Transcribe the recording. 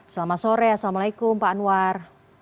selamat sore assalamualaikum pak anwar